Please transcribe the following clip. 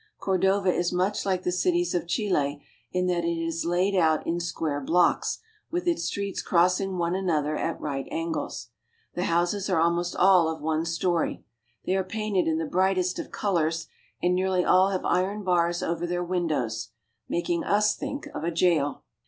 Cordova is much like the cities of Chile in that it is laid out in square blocks, with its streets crossing one another at right angles. The houses are almost all of one story. They are painted in the brightest of colors, and nearly all have iron bars over their windows, making us think of a jail.